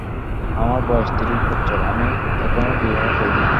আমার বয়স ত্রিশ বৎসর, আমি এখনও বিবাহ করি নাই।